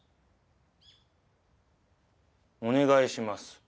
お願いします。